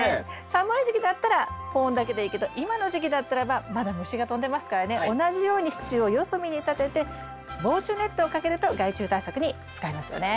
寒い時期だったら保温だけでいいけど今の時期だったらばまだ虫が飛んでますからね同じように支柱を四隅に立てて防虫ネットをかけると害虫対策に使えますよね。